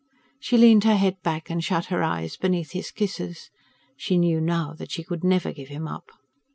She leaned her head back and shut her eyes beneath his kisses. She knew now that she could never give him up.